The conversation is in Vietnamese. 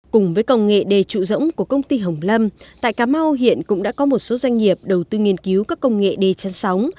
cùng với công nghệ đề trụ rỗng của công ty hồng lâm tại cà mau hiện cũng đã có một số doanh nghiệp đầu tư nghiên cứu các công nghệ đề chăn sóng